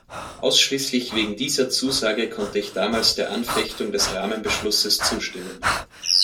Ausschließlich wegen dieser Zusage konnte ich damals der Anfechtung des Rahmenbeschlusses zustimmen.